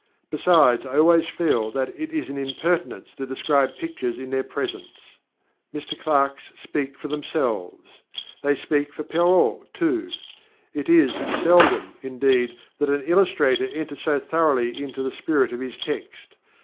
Besides, I always feel that it is an impertinence to describe pictures in their presence. Mr Clarke's speak for themselves. They speak for Perrault too. It is seldom, indeed, that an illustrator enters so thoroughly into the spirit of his text.